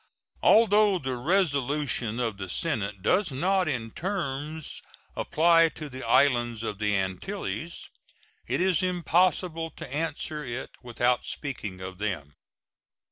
Although the resolution of the Senate does not in terms apply to the islands of the Antilles, it is impossible to answer it without speaking of them.